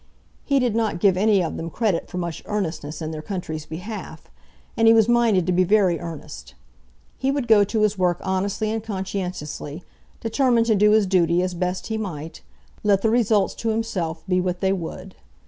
He did not give any of them credit for much earnestness in their country's behalf, and he was minded to be very earnest. He would go to his work honestly and conscientiously, determined to do his duty as best he might, let the results to himself be what they would.